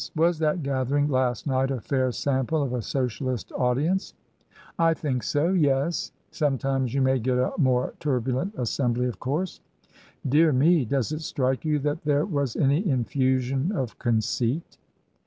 Was that gathering last night a fair sample of a Socialist audience ?"" I think so — ^yes. Sometimes you may get a more turbulent assembly, of course." '• Dear me ! Does it strike you that there was any infusion of conceit